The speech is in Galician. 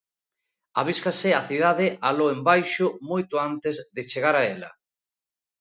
Albíscase a cidade aló embaixo moito antes de chegar a ela.